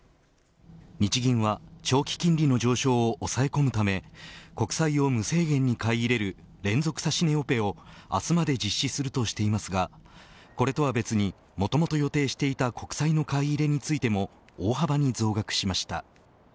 日銀は長期金利の上昇を抑え込むため国債を無制限に買い入れる連続指値オペを明日まで実施するとしていますがこれとは別にもともと予定していた国債の買い入れについても大幅に増額しました。